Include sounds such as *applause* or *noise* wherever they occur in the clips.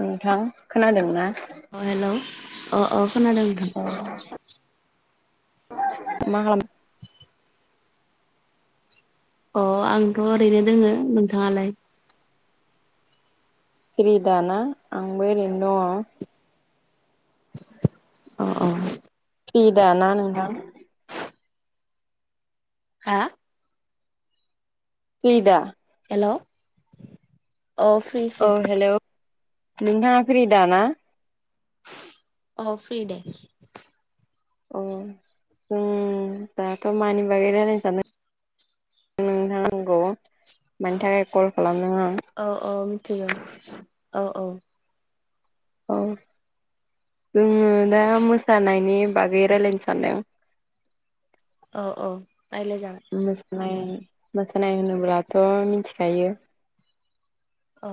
नोंथां खोनादोंना? अ हेलौ अ अ खोनादों नोंथां। मा‌ खालाम अ आंथ' ओरैनो दोङो नोंथाङालाय? फ्रि दा ना? आंबो ओरैनो दङ'। अ अ फ्रि दा ना नोंथां? हा? *unintelligible* दा? हेलौ औ फ्रि औ फ्रि हेलौ नोंथाङा फ्रि दा ना? अ फ्रि दे। अ उम दाथ' मानि बागै रायलायनो सान *unintelligible* मानि थाखाय कल खालामदों आं औ औ औ औ औ जोङो दा मोसानायनि बागै रायलायनो सानदों। अ औ रायलाय जागोन मोसानाय मोसानाय होनोब्लाथ' मिथिखायो औ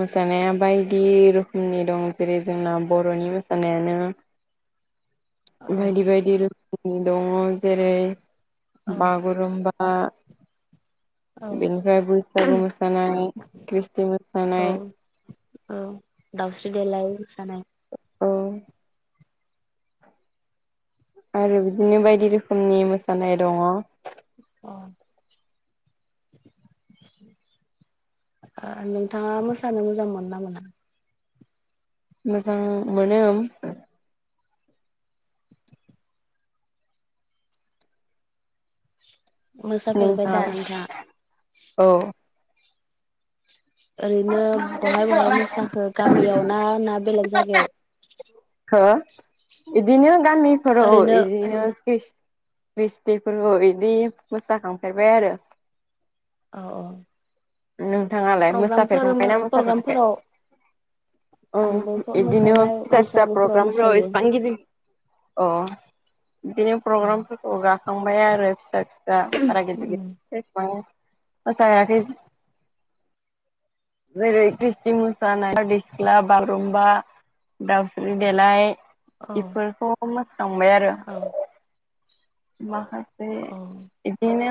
मोसानाया बायदि रोखोमनि दं जेरै जोंना बर'नि मोसानायानो औ बायदि बायदि रोखोमनि दङ' जेरै औ बागुरुमबा औ बेनिफ्राय बैसागु मोसानाय ख्रिस्टि औ मोसानाय औ दावस्रि देला मोसानाय औ आरो बिदिनो बायदि रोखोमनि मोसानाय दङ' अ नोंथाङा मोसानो मोजां मोनोना मोना मोजां मोनो। मोसाफेरबाय नोंथाङा दा लाय ओरैनो बहाय बहाय मोसाखो गामियाव ना ना बेलेग जायगायाव हो बिदिनो गामिफोराव ओरैनो बिदिनो क्रिस्थिफोरखौ बिदि मोसाखांफेरबाय आरो। औ औ नोंथाङालाय प्रग्रामफोर मोसाफेरखांबायनाा मोसाफेराखै प्रग्रामफोराव औ आंबो ज' बिदिनो मोसाबाय फिसा फिसा बैसागुफोराव प्रग्रामफ्राव मोसायो। इसेबां गिदिं अ बिदिनो प्रग्रामफोरखौ गाखांबाय आरो फिसा फिसा बारा गिदिर उम गिदिर एसेबां मोसायााखै जेरै ख्रिस्टि मोसानाय बदि सिख्ला बागुरुम्बा दाउस्रि देलाय औ बेफोरखौ मो खांबाय आरो औ माखासे औ बिदिनो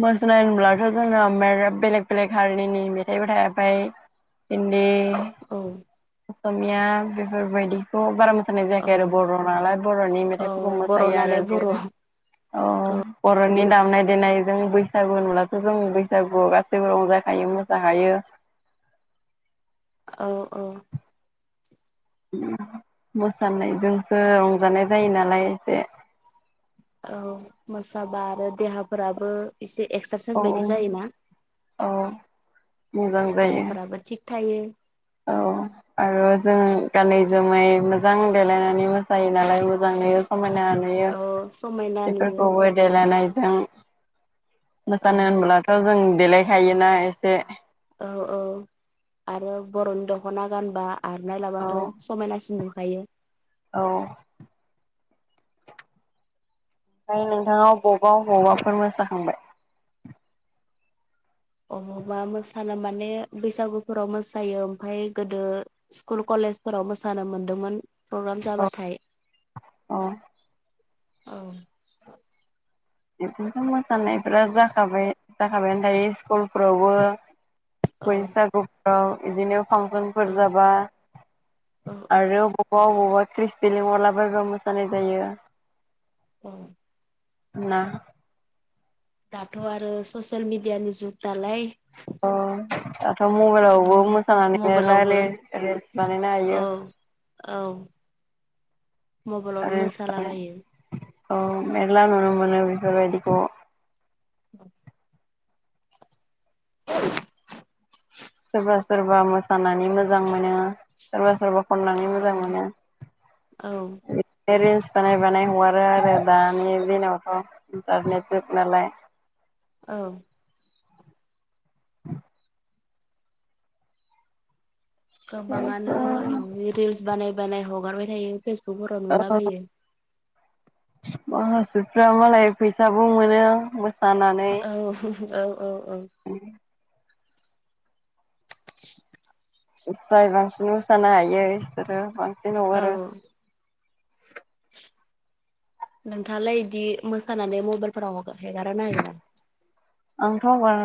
मोसनाय होनब्लाथ' जोंना मेर बेलेग बेलेग हारिनिनि मेथाइबो थाबाय हिनदि औ असमिया बेफोरबायदिखौ बारा मोजां मोसानाय औ जायाखै आरो बर' नालाय बर'नि औ मेथाइफोरखौ बर' मोसायो आरो नालाय बर' जै औ औ बर'नि दामनाय देनाय जों बैसागु होनब्लाथ' जों बैसागुआव गासैबो रंजा खायो मोजां खायो औ औ मोसानायजोंसो रंजानाय जायो नालाय एसे औ मोसाबा आरो देहाफोराबो एसे औ एक्सारसाइस बायदि जायोना। औ मोजां जायो देहाफोराबो थिक थायो। औ आरो जों गानै जोमै मोजां देलायनानै मोसायो नालाय मोजां नुयो समायना नुयो औ समायना नुयो बेफोरखौ देलायनायजों औ मोसानो होनोबब्लाथ' जों देलायखायोना एसे औ औ आरो बर'नि दख'ना गानबा औ आरनायलाबाथ' समायनासिन दुखायो। औ ओमफ्राय नोंथाङाव बबाव बबावबा फोर मोसाखांबाय अबावबा मोसानो माने बैसागुफोराव मोसायो ओमफ्राय गोदो स्कुल कलेज कलेजफोराव मोसानो मोनदोंमोन। प्रग्राम औ जाबाथाय औ औ बिदिनोथ' मोसानायफोरा जाखाबाय जाखाबायानो थायो स्कुलफोरावबो औ बैसागुफ्राव बिदिनो औ फांसनफोर जाबा औ आरो अबावबा अबावबा ख्रिस्टि लिंहरला बायबा मोसानाय जायो। औ ना दाथ' आरो ससियेल मिडियानि जुग नालाय अ दाथ' मबाइलावबो मोसानानै मबाइलावबो मेरलायै रिल्स बानायनो औ हायो। औ मबाइलावनो रिल्स मोसालाबायो। औ मेरला नुनो मोनो बिफोरबायदिखौ। *inaudible* *unintelligible* सोरबा सोरबा मोसानानै मोजां मोनो सोरबा सोरबा खननानै औ मोजां मोनो। औ बे रिल्स बानाय बानाय हगारो आरो दानि दिनावथ' इन्टारनेट जुग नालाय। *inaudible* औ गोबाङानो रिल्स बानाय बानाय हगारबाय थायो। फेसबुकफोराव नुलाबायो। माखासेफ्रा मालाय फैसाबो मोनो। मोसानानै औ औ औ औ जाय बांसिन मोसानो हायो बिसोरो बांसिन हगारो। औ नोंथाङालाय इदि मोसानानै मबाइलफोराव हेगारो ना हेगारा?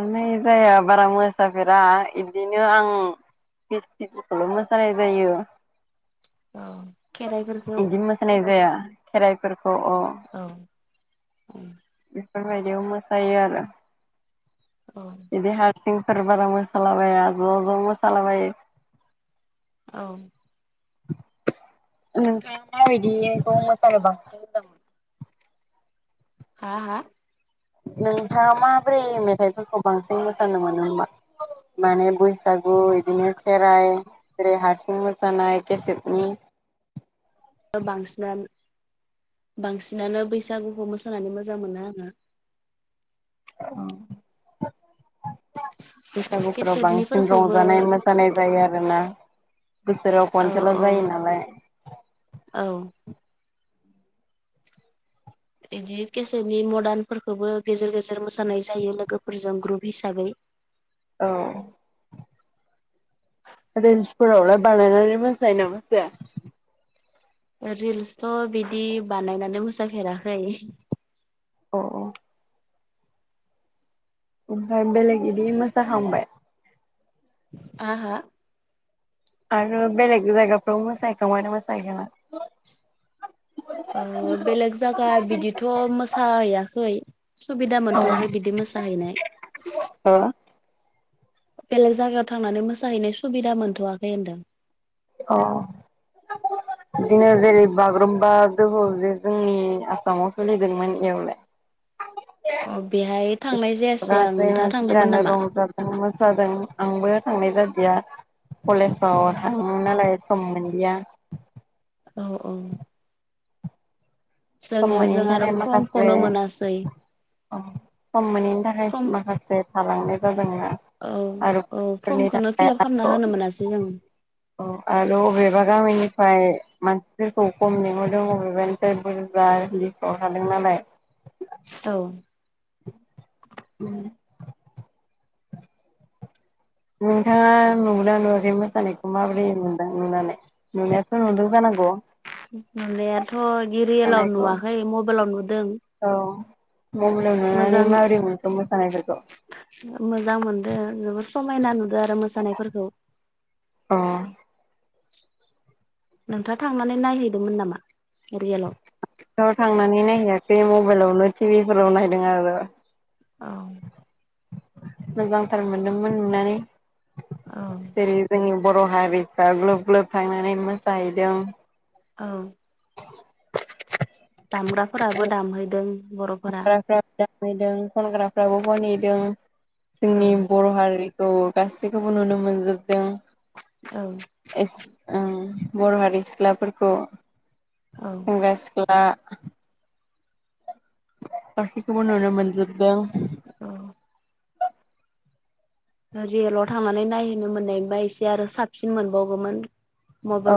नाय जाया बारा मोसाफेरा इदिनो आं ख्रिस्टिफोरखौल' मोसानाय जायो। औ इदि मोसानाय जाया खेराइफोर औ ओं बेफोरबायदियाव मोसायो आरो बिदि हास सिंफोर बारा मोसालाबाया ज' ज' मोसालाबायो। औ *inaudible* नोंथाङा माबायदिखौ मोसानो बांसिन मोजां मोनो? हा हा? नोंथाङा माब्रै मेथाइफोरखौ बांसिन मोसानो मोनो मा? माने बैसागु बिदिनो खेराइ जेरै हारसिं मोसानाय केसेदनि *inaudible* बांसिनानो बांसिनानो बैसागुखौ मोसानानै मोजां मोनो आङो औ बैसागुफोराव बांसिन केसेटनिफोरखौबो रंजानाय मोसानाय जायो आरोना। बोसोराव औ खनसेल' औ जायो नालाय। औ इदि केसेदनि मदार्न फोरखौबो गेजेर गेजेर मोसानाय जायो लोगोफोरजों ग्रुप हिसाबै। औ रिल्सफोरावलाय बानायनानै मोसायो ना मोसाया? रिल्सथ' बिदि बानायनानै मोसाफेराखै। औ औ ओमफ्राय बेलेग बिदि मोसाखांबाय? आ हा? आरो बेलेग जायगाफ्राव मोसाहैखांबाय ना मोसाहैखाङा? ओ बेलेग जागा बिदिथ' मोसाहैयाखै। सुबिदा मोनथ'वाखै बिदि मोसाहैनाय हो बेलेग जायगायाव थांनानै मोसाहैनाय सुबिदा मोनथ'आखै होनदों अ बिदिनो जेरै बागुरुम्बा दोहौ जे जोंनि आसामाव सोलिदोंमोन एयावलाय अ बेहाय थांनाय *unintelligible* जायासै आं नोंथाङा थांदोंमोन नामा मोसादों आंबो थांनाय जादिया कलेजाव थाङो नालाय मोनदिया औ औ खम जोङो मोननिनि जों आरो थाखाय माखासे फर्मखौनो मोनासै औ सम मोनैनि थाखाय फर्म माखासे थालांनाय जाबाय औ औ फर्मखौनो फिलप खालामना होनो मोनासै जों। औ आरो' अबेबा गामिनिफ्राय मानसिफोरखौ खम लिंहरदों अबेबानिट बा हदिफ्राव थादों नालाय औ उम नोंथाङा नुदोंना नुवाखै मोसानायखौ माबोरै *inaudible* नुनानै नुनायाथ' नुदों जानांगौ। मोननायाथ' रियेलाव मोसानायखौ नुवाखै मबाइलाव नुदों। औ मबेलाव नुनानै मोजां माबोरै मोनखो मोसानायफोरखौ मोजां मोनदों जबोर समायना नुदों आरो मोसानायफोरखौ अ नोंथाङा थांनानै नायहैदोंमोन नामा रियेलाव औ थांनानै नायहैयाखै मबाइलावनो टिभि फोराव नायदों आरो। औ मोजांथार मोनदोंमोन नुनानै औ जेरै जोंनि बर' हारिफ्रा ग्लोब ग्लोब थांनानै मोसाहैदों। औ दामग्राफोराबो दामहैदों बर'फोरा दों खनग्राफ्राबो खनिहदों जोंनि औ बर' हारि गासैखौबो नुनो मोनजोबदों। औ बर' हारिनि सिख्लाफोरखौ औ सेंग्रा सिख्ला गासैखौबो नुनो मोनजोब दों। औ रियेलाव थांनानै नायहै मोननायबा एसे आरो साबसिन मोनबावगौमोन।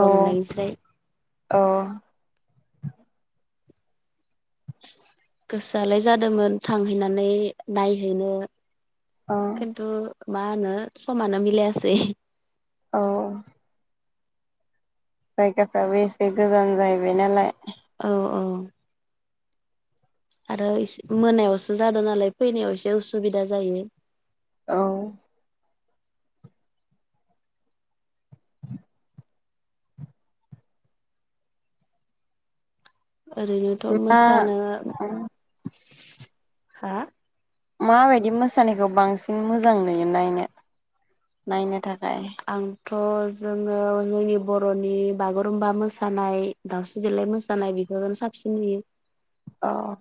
औ नुनायनिस्राय औ गोसोआलाय जादोंमोन थांहैनानै नायहैनो औ खिन्थु मा होनो समानो मिलायासै। औ जायगाफ्राबो एसे गोजान जाहैबाय नालाय औ औ आरो मोनायावसो जादों नालाय फैनायाव एसे उसुबिदा जायो। औ ओरैनोथ' मा मोसानो हा माबायदि मोसानायखौ बांसिन मोजां नुयो नायनो नायनो थाखाय *inaudible* थ' जोङो जोंनि बर'नि बागुरुमबा मोसानाय दाावस्रि देेलाय मोसानाय बि साबसिन नुयो। औ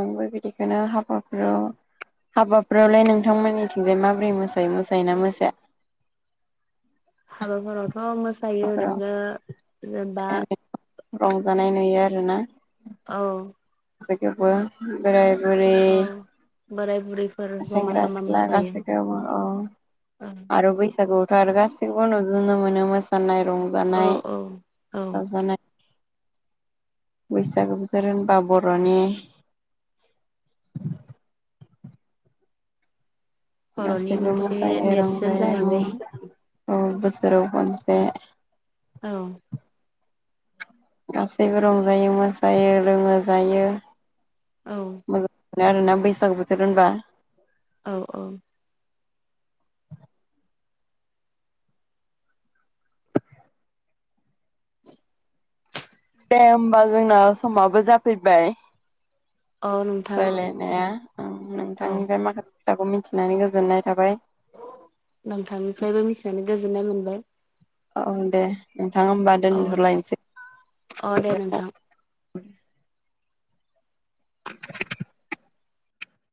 आंबो बिदिखौनो हाबाफोराव हाबाफोरावलाय नोंथांमोननिथिंजाय माबोरै मोसायो मोसायोना मोसााया *inaudible* हाबाफोरावथ' मोसायो ओरैनो जेनेबा रंजानाय नुयो आरोना औ गासैखौबो बोराइ बुरि बोराइ सेंग्रा सिख्ला गासैखौबो औ औ आरो बैसागु फोर गासिखौबो नुजुनो मोनो मोसानाय रंजानाय औ औ रंजानाय बैसागो बोथोर होनबा बर'नि *inaudible* बर'नि गासैबो मोनसे मोसायो नेरसोन रंजायो उम जाहैबाय औ बोसोराव खनसे औ गासैबो रंजायो मोसायो लोङो जायो। औ मोजां आरोना बैसागु बोथोर होनबा औ औ *inaudible* दे होमबा जोंना समाबो जाफैबाय औ नोंथां रायलायनाया औ नोंथांनिफ्राय माखासे खोथाखौ मिथिनानै गोजोननाय थाबाय नोंथांनिफ्रायबो मिथिनानै गोजोननाय मोनबाय औ दे नोंथां होमबा अ दोनहरलायनोसै अ दे गोजोनथों नोंथां उम *inaudible*